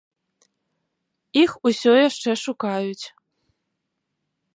Іх усё яшчэ шукаюць.